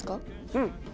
うん。